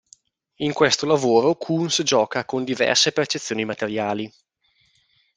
In questo lavoro Koons gioca con diverse percezioni materiali.